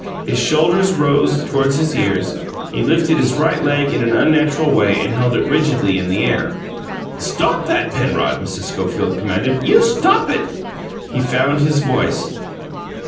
His shoulders rose toward his ears; he lifted his right leg in an unnatural way and held it rigidly in the air. "Stop that, Penrod!" Mrs. Schofield commanded. "You stop it!" He found his voice.